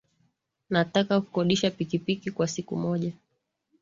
Nataka kukodisha pikipiki kwa siku moja.